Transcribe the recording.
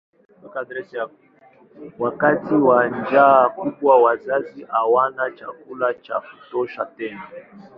Wakati wa njaa kubwa wazazi hawana chakula cha kutosha tena.